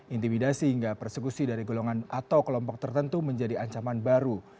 intimidasi hingga persekusi dari golongan atau kelompok tertentu menjadi ancaman baru